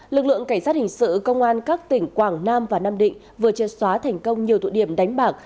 lực lượng cảnh sát hình sự công an các tỉnh quảng nam và nam định vừa triệt xóa thành công nhiều tụ điểm đánh bạc